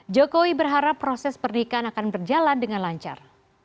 jokowi berharap proses pernikahan akan berjalan dengan lancar